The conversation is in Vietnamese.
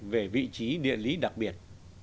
về vị trí địa lý đặc biệt